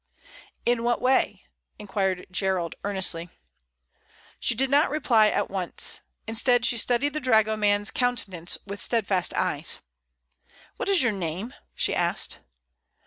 "In what way?" inquired Gerald, earnestly. She did not reply at once. Instead, she studied the dragoman's countenance with steadfast eyes. "What is your name?" she asked.